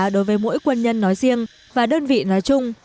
đối với mỗi quân nhân nói riêng và đơn vị nói chung